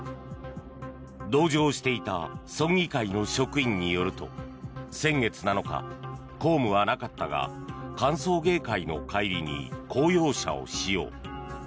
同乗していた村議会の職員によると先月７日、公務はなかったが歓送迎会の帰りに公用車を使用。